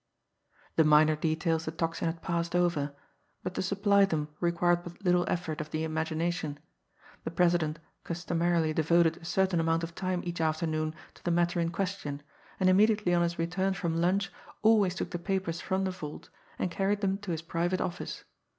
The minor details the Tocsin had passed over but to supply them required but little effort of the imagination. The president customarily devoted a certain amount of time each afternoon to the matter in question, and immediately on his return from lunch always took the papers from the vault and carried them to his private office.